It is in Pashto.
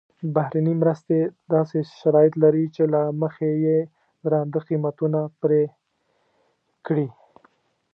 بهرنۍ مرستې داسې شرایط لري چې له مخې یې درانده قیمتونه پرې کړي.